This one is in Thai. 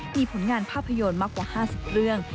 มีผลงานภาพยนตร์มากกว่า๕๐เรื่อง